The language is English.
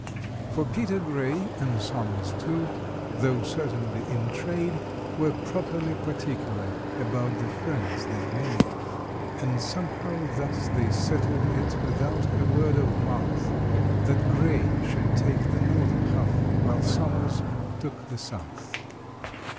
For PETER GRAY, and SOMERS too, though certainly in trade, Were properly particular about the friends they made; And somehow thus they settled it without a word of mouth— That GRAY should take the northern half, while SOMERS took the south.